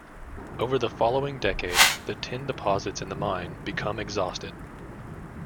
Over the following decades, the tin deposits in the mine become exhausted.